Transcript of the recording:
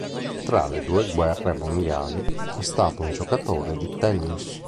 Tra le due guerre mondiali, è stato un giocatore di tennis.